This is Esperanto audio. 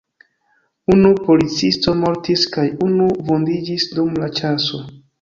Unu policisto mortis kaj unu vundiĝis dum la ĉaso.